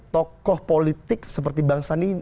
tokoh politik seperti bang sandi ini